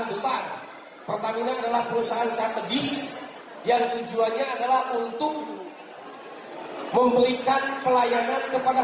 besar pertamina adalah perusahaan strategis yang tujuannya adalah untuk memberikan pelayanan kepada